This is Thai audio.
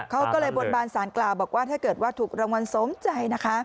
เขาก็เลยบนบานสารกล่าวบอกว่าถ้าเกิดว่าถูกรางวัลสมใจนะคะ